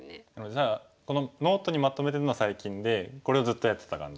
じゃあこのノートにまとめてるのは最近でこれをずっとやってた感じ。